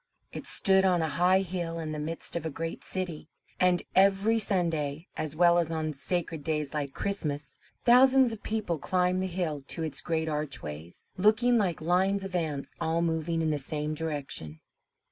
It stood on a high hill in the midst of a great city; and every Sunday, as well as on sacred days like Christmas, thousands of people climbed the hill to its great archways, looking like lines of ants all moving in the same direction.